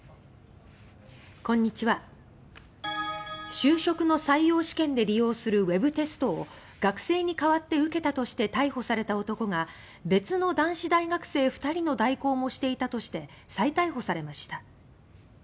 就職の採用試験で利用するウェブテストを学生に代わって受けたとして逮捕された男が別の男子大学生２人の代行もしていたとして再逮捕されました。